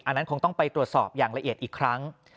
อันนั้นคงต้องไปตรวจสอบอย่างละเอียดอีกครั้ง